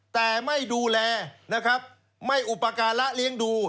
แต่ไม่ดูแลนะครับไม่อุปการะเลี้ยงดู